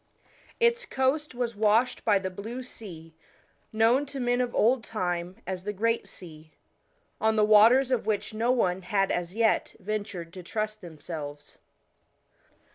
Its coast was washed by the blue sea, known to men of old time as the Great Sea, 1 on the waters of which no one had as yet ventured to trust themselves.